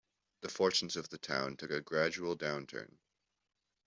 The fortunes of the town took a gradual downturn.